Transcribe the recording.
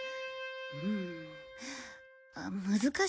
うん難しいなあ。